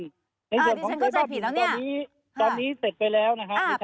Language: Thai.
ในส่วนของไฟฟ้าตอนนี้เสร็จไปแล้วนะครับ